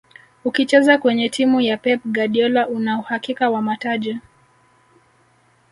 ukicheza kwenye timu ya pep guardiola una uhakika wa mataji